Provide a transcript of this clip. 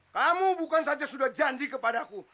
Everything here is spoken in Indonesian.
kamu bukan saja sudah janji kepadaku